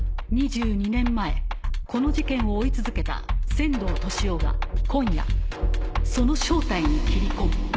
２２年前この事件を追い続けた仙堂俊雄が今夜その正体に切り込む。